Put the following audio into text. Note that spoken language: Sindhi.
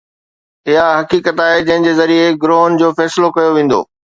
اها حقيقت آهي جنهن جي ذريعي گروهن جو فيصلو ڪيو ويندو.